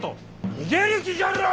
逃げる気じゃろう！